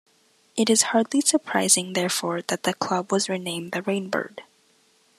It is hardly surprising therefore that the club was renamed the 'rain bird'.